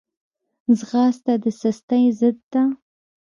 ځغاسته د سستۍ ضد ده